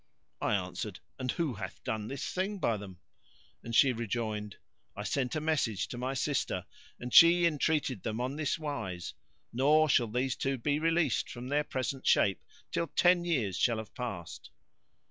I answered, "And who hath done this thing by them?" and she rejoined, "I sent a message to my sister and she entreated them on this wise, nor shall these two be released from their present shape till ten years shall have passed."